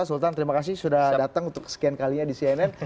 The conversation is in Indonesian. sultan terima kasih sudah datang untuk sekian kalinya di cnn